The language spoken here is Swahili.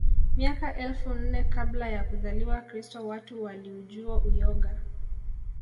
Miaka elfu nne kabla ya kuzaliwa Kristo watu waliujua uyoga